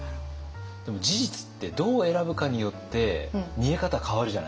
でも事実ってどう選ぶかによって見え方変わるじゃないですか。